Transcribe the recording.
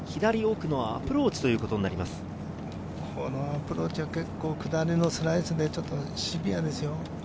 このアプローチは結構下りのスライスでシビアですよ。